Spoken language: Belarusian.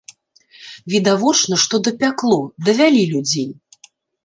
Відавочна, што дапякло, давялі людзей.